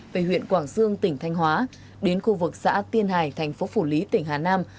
về huyện quảng sương tỉnh thanh hóa đến khu vực xã tiên hải thành phố phủ lý tỉnh hà nam